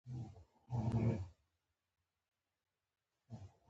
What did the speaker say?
د سهار باد به چې کله پرې ولګېده زنې یې وړچېدې.